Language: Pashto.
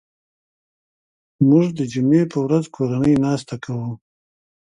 موږ د جمعې په ورځ کورنۍ ناسته کوو